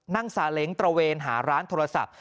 ซาเล้งตระเวนหาร้านโทรศัพท์